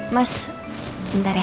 mas sebentar ya